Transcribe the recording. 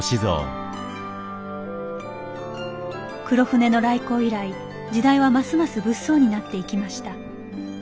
黒船の来航以来時代はますます物騒になっていきました。